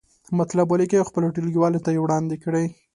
مطلب ولیکئ او خپلو ټولګیوالو ته یې وړاندې کړئ.